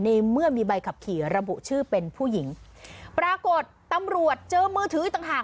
เมื่อมีใบขับขี่ระบุชื่อเป็นผู้หญิงปรากฏตำรวจเจอมือถืออีกต่างหาก